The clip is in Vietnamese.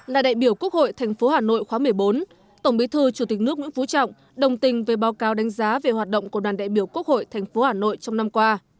là đại biểu quốc hội tp hà nội khóa một mươi bốn tổng bí thư chủ tịch nước nguyễn phú trọng đồng tình với báo cáo đánh giá về hoạt động của đoàn đại biểu quốc hội tp hà nội trong năm qua